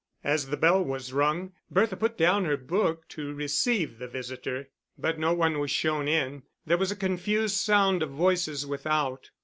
As the bell was rung, Bertha put down her book to receive the visitor. But no one was shown in; there was a confused sound of voices without.